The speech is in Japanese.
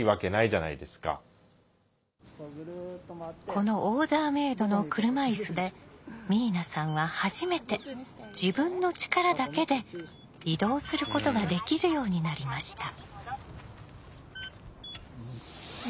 このオーダーメードの車いすで明奈さんは初めて自分の力だけで移動することができるようになりました。